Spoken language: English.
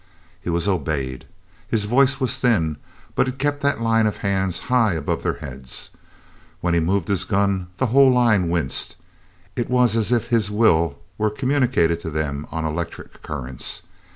He was obeyed. His voice was thin, but it kept that line of hands high above their heads. When he moved his gun the whole line winced; it was as if his will were communicated to them on electric currents.